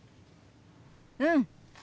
うん！